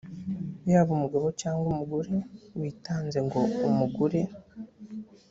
yaba umugabo cyangwa umugore witanze ngo umugure,